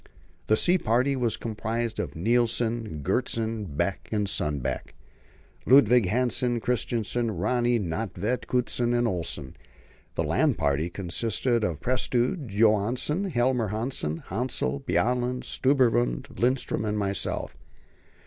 The sea party was composed of Nilsen, Gjertsen, Beck, Sundbeck, Ludvig Hansen, Kristensen, Rönne, Nödtvedt, Kutschin, and Olsen. The land party consisted of Prestrud, Johansen, Helmer Hanssen, Hassel, Bjaaland, Stubberud, Lindström, and myself.